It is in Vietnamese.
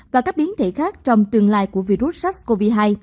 và các biến thể khác trong tương lai của virus sars cov hai